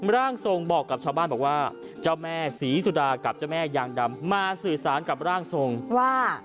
ร่างทรงบอกกับชาวบ้านบอกว่าเจ้าแม่ศรีสุดากับเจ้าแม่ยางดำมาสื่อสารกับร่างทรงว่า